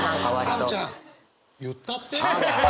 アヴちゃん言ったって！